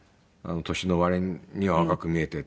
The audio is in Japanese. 年の割には若く見えてっていう。